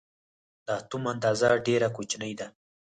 د اتوم اندازه ډېره کوچنۍ ده.